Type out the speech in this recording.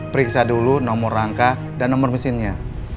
periksa dulu nomor rangka dan nomor mesinnya